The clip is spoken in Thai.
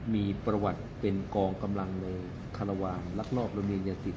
มีประวัติเป็นกองกำลังเลยครวามรักรอบรมีอย่างติด